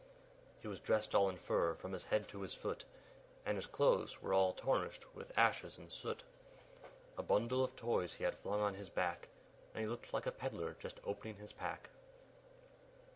He was dressed all in fur, from his head to his foot, And his clothes were all tarnished with ashes and soot; A bundle of Toys he had flung on his back, And he looked like a peddler just opening his pack.